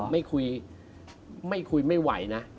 ไม่คุยไม่คุยไม่ไหวนะ